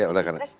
ya udah karena